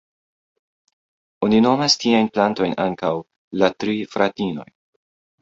Oni nomas tiajn tri plantojn ankaŭ ""la tri fratinoj"".